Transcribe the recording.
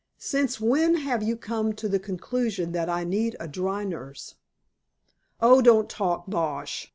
"Since when have you come to the conclusion that I need a dry nurse?" "Oh, don't talk bosh!"